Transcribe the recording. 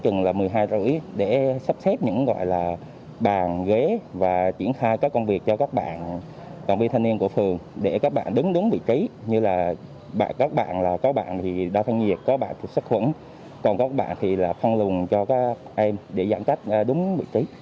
trường là một mươi hai h ba mươi để sắp xếp những gọi là bàn ghế và triển khai các công việc cho các bạn đoàn viên thanh niên của phường để các bạn đứng đúng vị trí như là các bạn là có bạn thì đa thanh nhiệt có bạn thì sắc khuẩn còn có bạn thì là phân lùng cho các em để giãn cách đúng vị trí